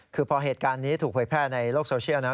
คือพอเหตุการณ์นี้ถูกเผยแพร่ในโลกโซเชียลนะ